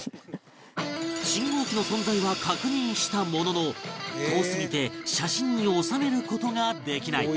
信号機の存在は確認したものの遠すぎて写真に収める事ができない